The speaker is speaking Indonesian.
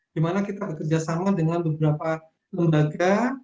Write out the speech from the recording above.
di mana kita bekerjasama dengan beberapa lembaga